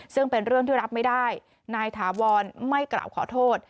ซึ่งเป็นเรื่องที่รับไม่ได้นายถาวรไม่กล่าวขอโทษ